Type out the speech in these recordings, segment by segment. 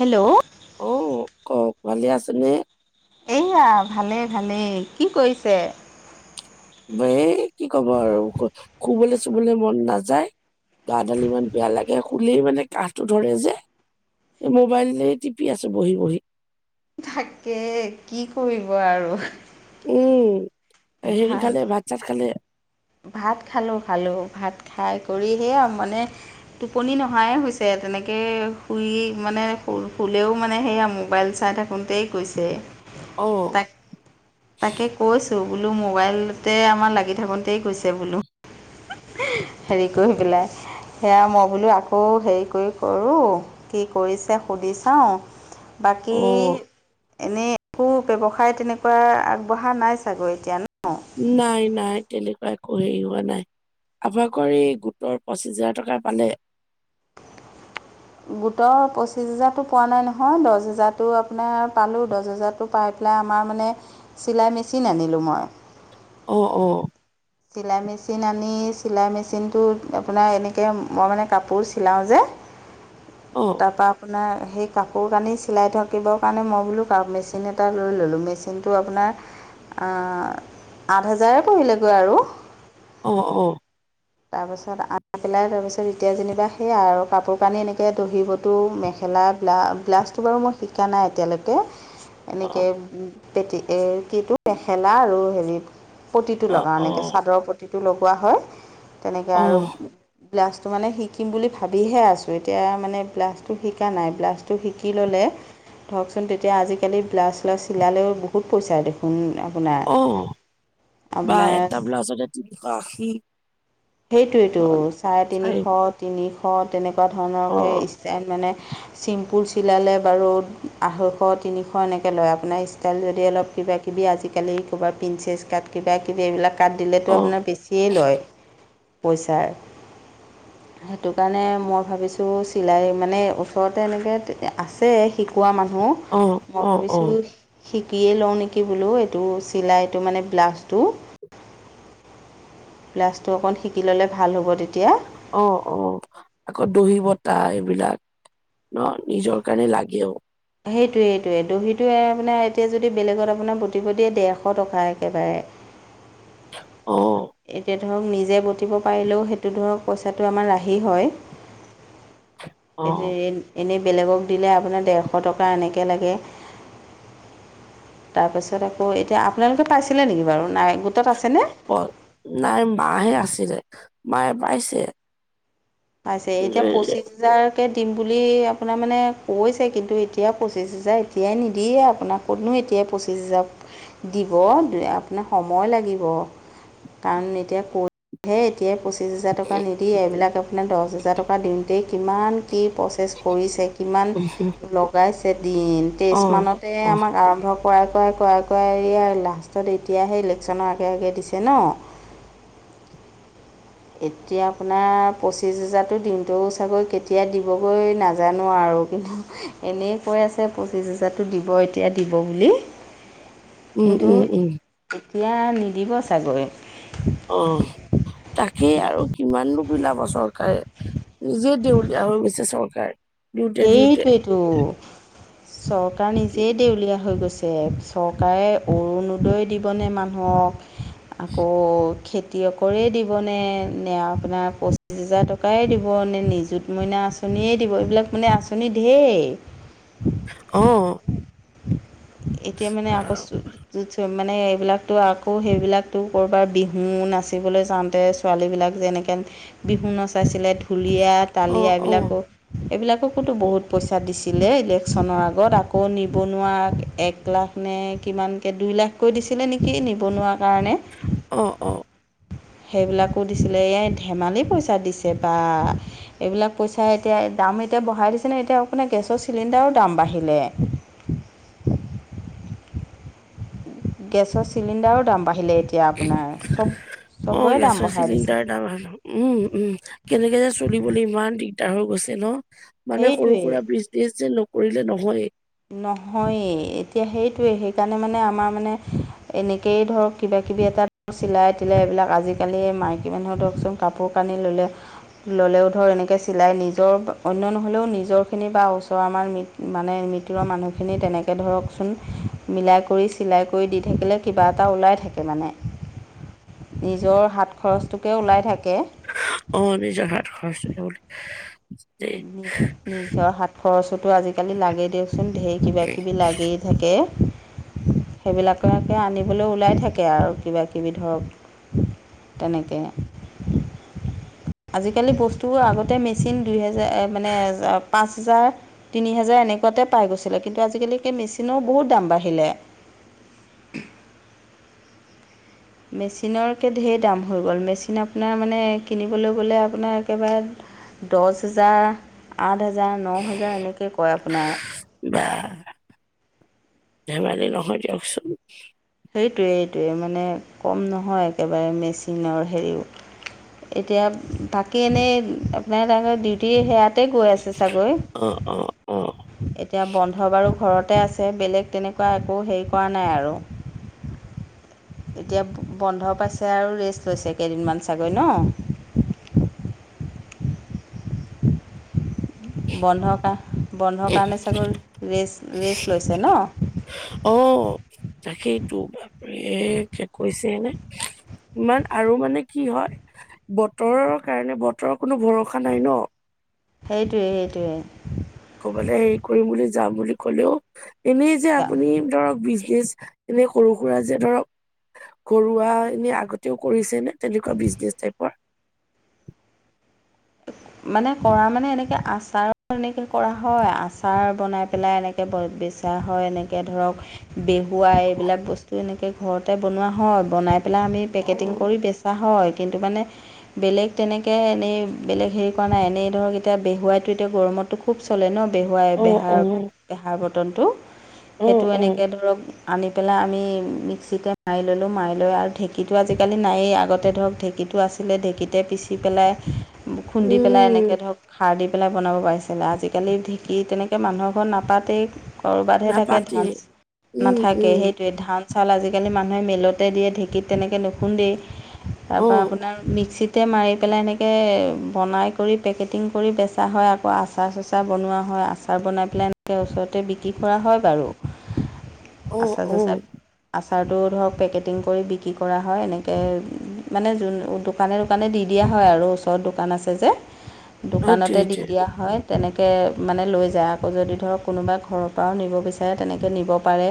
Hello, অ, কওক ভালে আছে নে? এইয়া ভালেই-ভালেই কি কৰিছে? এ কি ক'ব আৰু শুবল চুবলে মন নাযায়। গাডালি ইমান বেয়া লাগে খুলেই মানে কাহটো ধৰে যে। মোবাইল টিপি আছোঁ বহি-বহি। তাকে কি কৰিব আৰু। উম, হেৰি ভাল খালে ভাত চাত খালে? ভাত খালোঁ-খালোঁ ভাত খাই কৰি সেয়া আৰু মানে, টোপনি নহাই‌ হৈছে, তেনেকে শুই মানে শুলেও মানে সেয়া মোবাইল চাই থাকোঁতেই গৈছে। অ', তাক তাকে কৈছোঁ বোলো মোবাইলতে আমাৰ লাগি থাকোতে গৈছে বোলো। হেৰি কৰি পেলাই সেয়া মই বোলো আকৌ হেৰি কৰি কৰো। কি কৰিছে সুধি চাওঁ? বাকী অ', এনেই একো ব্যৱসায় তেনেকুৱা আগবঢ়া নাই চাগৈ এতিয়া ন। নাই-নাই তেনেকুৱা একো হেৰি হোৱা নাই। আপোনালোকৰ হেৰি গোটৰ পঁচিছ হাজাৰ টকাৰ পালে। গোটৰ পঁচিছ হেজাৰতটো পোৱা নাই নহয় দহ হেজাৰটো আপোনাৰ পালোঁ, দহ হেজাৰত টো পাই পেলাই আমাৰ মানে চিলাই মেচিন আনিলোঁ মই। অ', অ', চিলাই মেচিন আনি চিলাই মেচিনটোত আপোনাৰ এনেকৈ মই মানে কাপোৰ চিলাওঁ যে অ', তাৰ পৰা আপোনাৰ সেই কাপোৰ কানি চিলাই থাকিবৰ কাৰণে মই বোলো মেচিন এটা লৈ ল'লোঁ মেচিনটো আপোনাৰ। আঠ হোজাৰে পৰিলেগৈ আৰু। অ' অ' তাৰপিছত আনি পেলাই তাৰপিছত এতিয়া যেনিবা সেয়াাই আৰু কাপোৰ কানি এনেকৈ দহি বতো। মেখেলা ব্লা ব্লাউজটো বাৰু মই শিকা নাই এতিয়ালৈকে। এনেকে অ', পেতি কি মেখেলা আৰু হেৰি পতিটো অ', লগাওঁ। অ', ছাদৰ পতিটো লগোৱা হয় তেনেকৈ আৰু। অ', ব্লাউজটো মানে শিকিম বুলি ভাবিহে আছোঁ এতিয়া মানে ব্লাছটো শিকা নাই ব্লাছটো শিকি ল'লে। ধৰকচোন তেতিয়া আজিকালি ব্লাউজ চিলালেও চিলালে বহুত পইচা। উম আপোনাৰ। অ' বা এটা আপোনাৰ ব্লাজতে তিনিশ আশি। সেইটোৱেইটো চাৰে তিনিশ। তিনিশ তেনেকুৱা ধৰণৰ অ', সেই ষ্টাইল মানে চিম্প। চিম্পল চিলালে বাৰু আঢ়ৈশ তিনিশ এনেকৈ লয় আপোনাৰ ষ্টাইল যদি অলপ কিবা কিবি কিবি আজিকালি ক'ৰবাত প্ৰিন্সেছ কাট কিবা কিবি এইবিলাক কাট দিলেতো অ'। আপোনাৰ বেছিয়ে লয়। পইচাৰ। সেইটো কাৰণে মই ভাবিছোঁ চিলাই মানে ওচৰতে এনেকৈ আছে। কোৱা মানুহ অ', মই অ', ভাবিছোঁ। অ', শিকিয়েই লওঁ নেকি বোলো এইটো চিলাইটো মানে ব্লাউজটো। ব্লাউজটো অকণ শিকি ল'লে ভাল হ'ব তেতিয়া। অ' অ' আকৌ দহি বটা এইবিলাক ন নিজৰ কাৰণে লাগেও। সেইটোৱেই সেইটোৱে দহিটোৱে আপোনাৰ এতিয়া যদি বেলেগত আপোনাৰ বটিব দিয়ে ডেৰশ টকা একেবাৰে। অ' এতিয়া ধৰক নিজে বটিব পাৰিলেও সেইটো ধৰক পইচাটো আমাৰ ৰাহি হয়। অ', এনেই বেলেগক দিলে আপোনাৰ ডেৰশ টকা এনেকে লাগে। তাৰপাছত আকৌ এতিয়া আপোনালোকে পাইছিলে নেকি বাৰু নাই গোটত আছেনে? নাই মায়েহে আছিলে মায়ে পাইছে। পাইছে কিন্তু এতিয়া পঁচিছ। পঁচিছ হেজাৰকৈ দিম বুলি আপোনাৰ মানে কৈছে, কিন্তু এতিয়া পঁচিছ হেজাৰ এতিয়াই নিদিয়ে আপোনাক। কতনো এতিয়া পঁচিছ হেজাৰ দিব আপোনাৰ সময় লাগিব। কাৰণ এতিয়া কয়হে এতিয়া। পশিচ হাজাৰ টকা নিদিয়ে, এই বিলাক আপোনাৰ দেশ হাজাৰ টকা দিওঁতে কিমান কি পচেছ কিৰিছে। কিমান লগাইছে দিন। তেইছ অ', মানতে অ', আমাক আৰম্ভ কৰাই- কৰাই -কৰাই -কৰাই এই লাষ্টত এতিয়াহে ইলেকশ্যনৰ আগে আগে দিছে ন' এতিয়া আপোনাৰ পঁচিছ হেজাৰটো দিনটোও চাগৈ কেতিয়া দিবগৈ নাজানো আৰু কিন্তু। এনেই কৈ আছে পঁচিছ হোজাৰটো দিব এতিয়া দিব বুলি। উম, কিন্তু উম, উম, এতিয়া নিদিব চাগৈ। অ'তাকেই আৰু কিমান বিলাব চৰকাৰে। নিজে দেউলীয়া হৈ গৈছে চৰকাৰ। দিওঁতে দিওঁতে সেইটোৱেইটো চৰকাৰ নিজেই দেউলীয়া হৈ গৈছে। চৰকাৰে অৰুণোদয় দিবনে মানুহক আকৌ খেতি। খেতিয়কৰেই দিবনে নে আপোনাৰ পঁচিছ হোজাৰ টকায়ে দিব নে নিযুত মইনা আচনি আঁচনিয়েই দিব এইবিলাক মানে আঁচনি ঢেই। অ' এতিয়া মানে আগষ্টত য মানে এইবিলাকতো আকৌ সেইবিলাকতো ক'ৰবাত বিহু নাচিবলৈ যাওঁতে ছোৱালীবিলাক যেনেকৈ বিহু নচাইছিলে ঢুলীয়া তালিয়া অ', অ', এইবিলাকো। এইবিলাককোতো অ', বহুত পইচা দিছিলে ইলেকশ্যনৰ আগত আকৌ নিবনুৱা। এক লাখ নে কিমানকে দুই লাখকৈ দিছিলে নেকি নিবনুৱা ৰ কাৰণে। অ', অ'। সেইবিলাকো দিছিলে। এই ধেমালি পইচা দিছে বা। এইবিলাক পইচা এতিয়া দাম এতিয়া বঢ়াই দিছে নহয়। এতিয়া আপোনাৰ গেছৰ চিলিণ্ডাৰো দাম বাঢ়িলে। গেছৰ চিলিণ্ডাৰো দাম বাঢ়িলে এতিয়া আপোনাৰ। চব অ চবৰে দাম গেছৰ বঢ়াই দিছে। [unintelligible] উম, উম। কেনেকে যে চলিবলে ইমান দিগদাৰ হৈ গৈছে ন। মানে সৰু সেইটোৱে সুৰা বীজ বীজ নকৰিলে নহয়ে। নহয়ে, এতিয়া সেইটোৱে সেইকাৰণে মানে আমাৰ মানে এনেকেই ধৰক কিবা-কিবি এটা ধৰ চিলা- তিলাই এইবিলাক আজি-কালি মাইকী মানুহৰ ধৰকচোন কাপোৰ কানি ল'লে ল'লেও ধৰ এনেকে চিলাই নিজৰ অন্য নহ'লেও নিজৰখিনি বা ওচৰ আমাৰ ম মানে ম মিতিৰৰ মানুহখিনি তেনেকে ধৰকচোন মিলাই কৰি চিলাই কৰি দি থাকিলে কিবা এটা ওলাই থাকে মানে। নিজৰ হাত খৰচটোকে ওলাই থাকে। অ নিজৰ হাত খৰচটো [unintelligible] নিজ নিজৰ হাত খৰচতো আজি-কালি লাগেই দিয়কচোন, ধেই কিবা-কিবি লাগেই। থাকে সেইবিলাককে আনিবলে ওলাই থাকে আৰু কিবা-কিবি ধৰক তেনেকে। আজি-কালি বস্তু আগতে মেচিন দুহেজাৰ মানে এ [unintelligible] পাঁচ হাজাৰ, তিনি হাজাৰ এনেকুৱাতে পাই গৈছিলে। কিন্তু আজি-কালি সেই মেচিনৰো বহুত দাম বাঢ়িলে। মেচিনৰকে ঢেৰ দাম হৈ গ'ল। মেচিন আপোনাৰ মানে কিনিবলে গ'লে আপোনাৰ একেবাৰে দছ হেজাৰ, আঠ হেজাৰ, ন হেজাৰ এনেকৈ কয় আপোনাৰ। বা ধেমালি নহয় দিওকচোন। সেইটোৱেই, এইটোৱে মানে কম নহয় একেবাৰে মেচিনৰ হেৰিও এতিয়া বাকী এনেই আপোনাৰ তাতে ডিউটি সেয়াতে গৈ আছে চাগৈ? অ অ। অ এতিয়া বন্ধ বাৰু ঘৰতে আছে। বেলেগ তেনেকুৱা একো হেৰি কৰা নাই আৰু। এতিয়া বন্ধ পাইছে আৰু ৰেষ্ট লৈছে কেইদিনমান চাগৈ ন? বন্ধৰ কাৰ বন্ধৰ কাৰণে চাগৈ ৰেষ্ট ৰেষ্ট লৈছে ন? অ তাকেইটো বাপৰে কৈছে নে। ইমান আৰু মানে কি হয় বতৰৰ কাৰণে বতৰৰ কোনো ভৰসা নাই ন। সেইটোৱে, সেইটোৱে। ক'বালে হেৰি কৰিম বুলি যাম বুলি ক'লেও এনেই যে আপুনি ধৰক বিজনেচ এনেই সৰু সুৰা যে ধৰক ঘৰুৱা এনে আগতেও কৰিছে নে তেনেকুৱা বিজনেচ টাইপৰ? মানে কৰা মানে এনেকে আচাৰ এনেকে কৰা হয়। আচাৰ বনাই পেলাই এনে কে [unintelligible] বেচা হয় এনেকে ধৰক বে বোৱাই এইবিলাক বস্তু এনেকে ঘৰতে বনোৱা হয়। বনাই পেলাই আমি পেকেটিং অ', কৰি বে হয় কিন্তু মানে বেলেগ তেনেকে এনেই বেলেগ হেৰি কৰা নাই। এনেই ধৰক এতিয়া বেহুৱাইতো এতিয়া গৰমতটো খুব চলে ন'। বেহুৱাই অ', বেহাৰ বেহাৰ বটলটো সেইটো অ', এনেকে অ'। ধৰক আনি পেলাই আমি মিক্সিতে মাৰি ল'লোঁ। মাৰি লৈ আৰু ঢেঁকীটো আজি-কালি নাইয়েই আগতে ধৰক ঢেঁকীটো আছ ছিলে ঢেঁকীতে পিচি পেলাই, খুন্দি পেলাই এনেকৈ উম, ধৰক খাৰ দি পেলাই বনাব পাৰিছিলে। আজি-কালি ঢেঁকী তেনেকে মানুহৰ ঘৰত নাপাতেই। ক'ৰবাতহে থাকে নাপাতে ধান, উম, নাথাকেই উম, সেইটোৱে ধান চান আজি-কালি মানুহে মিলতে দিয়ে। ঢেঁকীত তেনেকৈ নুখুন্দেই, তাৰপৰা অ', আপোনাৰ মিক্সিত তে মাৰি পেলাই এনেকে বনাই কৰি পেকেটিং কৰি বেচা হয়। আকৌ আচাৰ-চাচাৰ বনোৱা হয়। আচাৰ বনাই পেলাই ওচৰতে বিক্ৰী কৰা হয় বাৰু। অ', আচাৰ চাচাৰ, অ'। আ চাৰটো ধৰক পেকেটিং কৰি বিক্ৰী কৰা হয়। এনেক মানে যোন দোকানে দোকানে দি দিয়া হয় আৰু ওচৰত দোকান আছে যে। সেইটোৱে দোকানতে দি সেইটোৱে দিয়া হয়। তেনেকে মানে লৈ যায়। আকৌ যদি ধৰক কোনোবা ঘৰৰ পৰাও নিব বিচাৰে তেনেকে নিব পাৰে।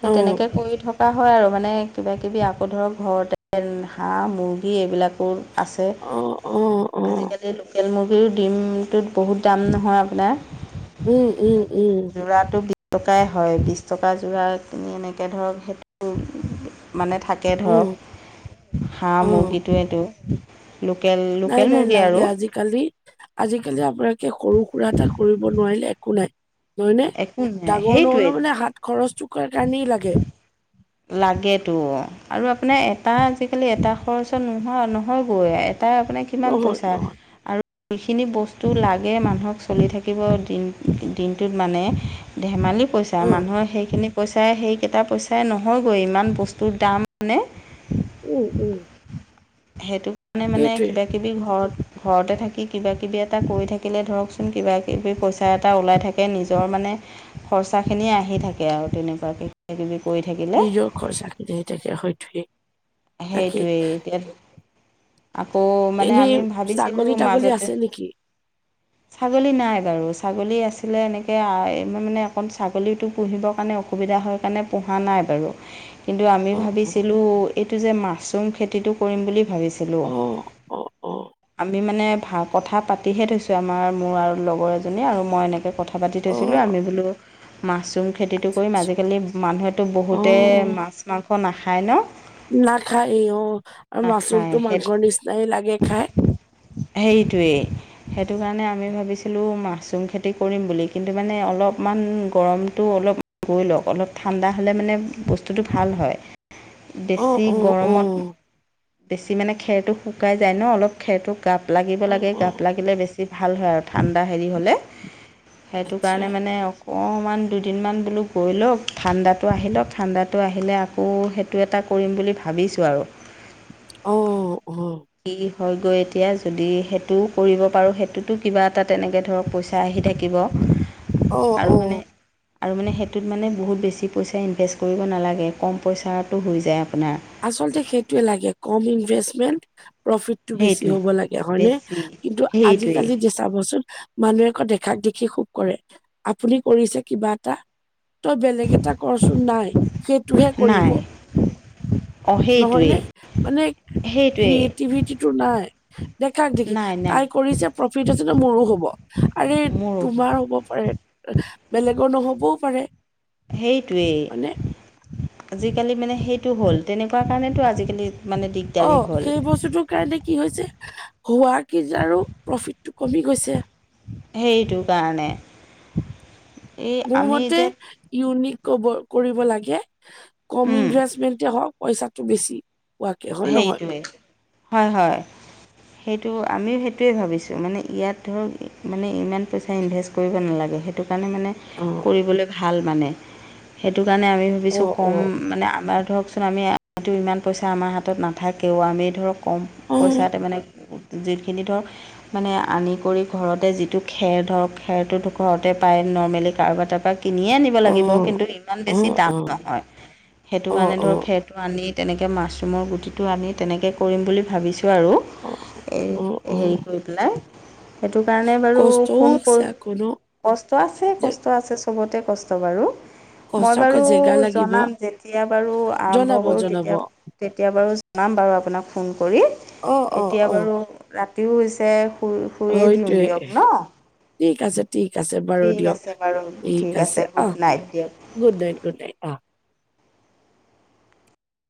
সেই অ', তেনেকে কৰি থকা হয় আৰু মানে কিবাকিবি আকৌ ধৰক ঘৰতে হাঁহ মুৰ্গী এইবিলাকো আছে। অঁ, অহ। আজিকালি লোকেল মুৰ্গীৰ ডিমটোত বহুত দাম নহয় আপোনাৰ। উম, উম, উম। যোৰাটো বিছ টকাই হয়। বিছ টকা যোৰা কিনি এনেকে ধৰক সেইটো উম মানে থাকে ধৰক। উম, হাঁহ, অ', মুৰ্গীটোৱেটো লোকেল নাই লোকেল নাই মুৰ্গী লাগে। আৰু আজি কালি, আজিকালি আপোনালোকে সৰু সুৰা এটা কৰিব নোৱাৰিলে একো নাই। নহয় নে? একো নাই ডাঙৰ সেইটোৱে নহ'লেও মানে হাত খৰচটোৰ কৰাৰ কাৰণেই লাগে। লাগেতো, আৰু আপোনাৰ এটা আজিকালি এটা খৰচত নোহোৱা নহ'গৈ। এটাই আপোনাক কিমান নহয় পইচা নহয় আৰু যিখিনি বস্তু লাগে মানুহক চলি থাকিব দিন দিনটোত মানে ধেমালি পইচা চা অ', মানুহৰ সেইখিনি পইচাই, সেইকেইটা পইচাই নহয়গৈ। ইমান বস্তুৰ দাম মানে উম উম। সেইটো কাৰণে মানে সেইটোৱে। কিবা কিবি ঘৰত, ঘৰতে থাকি কিবা কিবি এটা কৰি থাকিলে ধৰকচোন কিবা কিবি পইচা এটা ওলাই থা কে। নিজৰ মানে খৰচাখিনিয়ে আহি থাকে আৰু তেনেকুৱাকে কিবা কিবি কৰি নিজৰ খৰচাখিনি আহি থাকে। হয় ঠিকেই। সেইটোৱেই এতিয়া আকৌ মানে এনেই আমি ভাবিছিলোঁ ছাগলী তাগলী মাজতে আছে নেকি ছাগলী নাই বাৰু। ছাগলী আছিলে এনেকে আ এইবাৰ মানে অকণ ছাগলীটো পুহিবৰ কাৰণে অ অসুবিধা হয় কাৰণে পোহা নাই বাৰু। কিন্তু আমি অ অ ভাবিছিলোঁ এইটো যে মাছৰুম খেতিটো কৰিম বুলি ভাবি ছিলোঁ। অ অ অ আমি মানে ভা কথা পাতিহে থৈছোঁ। আমাৰ মোৰ আৰু লগৰ এজনীয়ে আৰু মই এনেকে কথা কথা পাতি অ থৈছিলোঁ। আমি বোলো মাছৰুম খেতিটো আচ্ছা কৰিম আচ্ছা আজিকালি মানুহেতো অ বহুতে মাছ মাংস নাখায় ন? নাখায় অঁ, আৰু নাখায় মাছৰুমটো মাংসৰ নিচিনাই লাগে খাই। সেইটোৱে। সেইটো কাৰণে আমি ভাবিছিলোঁ মাছৰুম খেতি কৰিম বুলি কিন্তু মানে অলপমান গৰমটো অলপ গৈ লৱক অলপ ঠাণ্ডা হ'লে মানে বস্তুটো ভাল হয়। অ যি অ অ গৰমত বেছি মানে খেৰটো শুকাই যায় ন অলপ খেৰটো গাপ লাগিব অ লাগে অ গাপ লাগিলে বেছি ভাল হয় আৰু ঠাণ্ডা হেৰী হ'লে। সেইটো আচ্ছা কাৰণে মানে অকমান দুদিনমান বোলো গৈ লৱক ঠাণ্ডাটো আহি লৱক ঠাণ্ডাটো আহিলে আ আকৌ সেইটো এটা কৰিম বুলি ভাবিছোঁ আৰু। ঔ অহ। কি হয়গৈ এতিয়া যদি সেইটো কৰিব পাৰোঁ। সেইটোতো কিবা এটা তেনেকে ধৰক পইচা পইচা আহি থাকিব অ অ আৰু মানে আৰু মানে সেইটোত মানে বহুত বেছি পইচা ইনভেষ্ট কৰিব নালাগে। কম পইচা টো হৈ যায় আপোনাৰ। আচলতে সেইটোৱে লাগে কম ইনভেষ্টমেন্ট প্ৰফিত টো বেছি সেইটোৱে হ'ব লাগে, হয়নে? বেছি কিন্তু সেইটোৱেই আজিকালি চাবচোন মানুহে আকৌ দেখাক দেখি শোক কৰে। আপুনি কৰিছে কিবা এটা তই বেলেগ এটা কৰচোন নাই সেইটোহে নাই কৰিব। অঁ সেইটোৱেই নহয়নে? মানে সেইটোৱেই ক্ৰিয়েটিভিটিটো নাই। দেখাক দেখি নাই নাই তাই কৰিছে প্ৰফিত আছে ত' মোৰো হ'ব। আৰে মোৰো তোমাৰ হ'ব পাৰে। এহ বেলেগৰ নহ'বও পাৰে। সেইটোৱেই। হয়নে আজিকালি মানে সেইটো হ'ল তেনেকুৱা কাৰণেটো আজিকালি মানে দিগ অ সেই বস্তুটোৰ কাৰণে কি হৈছে হোৱা কেইজাৰো প্ৰফিতটো কমি গৈছে। সেইটো কাৰণে। এই মোৰ আমি মতে এতিয়া ইউনিক ক কৰিব লাগে কম উম, ইনভেষ্টমেন্টে হওঁক পইচাটো বেছি পোৱাকে হয় নহয় সেইটোৱে, হয় হয়। সেইটো আমিও সেইটোৱে ভাবিছোঁ মানে ইয়াত ধৰক মানে ইমান পইচা ইনভেষ্ট কৰিব নালাগে। সেইটো কাৰণে মানে অঁ। কৰিবলৈ ভাল মানে, সেইটো কাৰণে আমি অ ভাবিছোঁ অ কম মানে আমাৰ ধৰক চোন আমি ইমান পইচা আমাৰ হাতত নাথাকেও আমি ধৰক কম অ পইচাতে মানে যিখিনি ধৰক মানে আনি কৰি ঘৰতে যিটো খেৰ ধৰক খেৰটোতো ঘৰতে পায়। নৰ্মেলি কাৰোবাৰ তাৰপৰা কিনিয়ে আনিব অ লাগিব কিন্তু ইমান অ বেছি দাম অ নহয়। সেইটো অ কাৰণে অ ধৰক খেৰটো আনি তেনেকে মাছৰুমৰ গুটিটো আনি তেনেকে কৰিম বুলি ভাবিছোঁ আৰু। অ এই অ অ হেৰী কৰি পেলাই। সেইটো কাৰণে বাৰু কষ্টও ফোন কৰ আছে আকৌ ন কষ্ট আছে যে কষ্ট আছে চবতে কষ্ট বাৰু। কষ্ট মই আকৌ বাৰু জেগা লাগিব জনাম যেতিয়া বাৰু আৰম্ভ জনাব কৰোঁ জনাব তেতিয়া তেতিয়া বাৰু জনাম বাৰু আপোনাক ফোন কৰি অ অ এতিয়া অ বাৰু ৰাতিও হৈছে। শুই শুইয়ে দিওঁ হয়টোৱে দিয়ক ন ঠিক আছে। ঠিক আছে বাৰু ঠিক দিয়ক আছে বাৰু ঠিক আছে গুড অহ নাইট দিয়ক গুড নাইথট গুড নাইথট অহ।